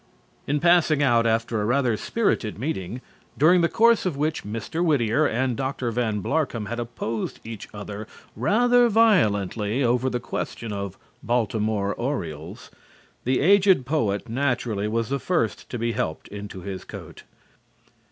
In passing out after a rather spirited meeting, during the course of which Mr. Whittier and Dr. Van Blarcom had opposed each other rather violently over the question of Baltimore orioles, the aged poet naturally was the first to be helped into his coat.